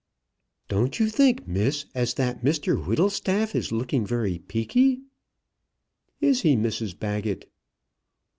"Don't you think, Miss, as that Mr Whittlestaff is looking very peeky?" "Is he, Mrs Baggett?"